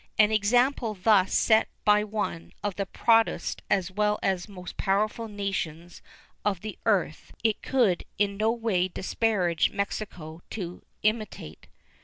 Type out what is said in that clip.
An example thus set by one of the proudest as well as most powerful nations of the earth it could in no way disparage Mexico to imitate.